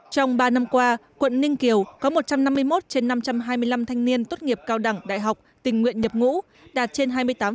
trong ba năm qua quận ninh kiều có một trăm năm mươi một trên năm trăm hai mươi năm thanh niên tốt nghiệp cao đẳng đại học tình nguyện nhập ngũ đạt trên hai mươi tám